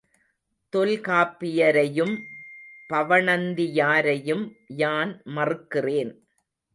தொல்காப்பியரையும் பவணந்தியாரையும் யான் மறுக்கிறேன்.